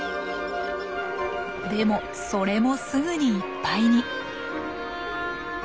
でもそれもすぐにいっぱいに。